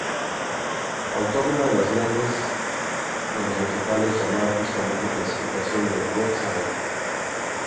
Autor de una de las grandes de los vegetales, llamada justamente clasificación de Wettstein.